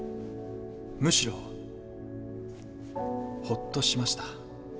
むしろホッとしました。